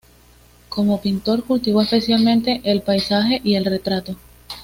Como pintor cultivó especialmente el paisaje y el retrato.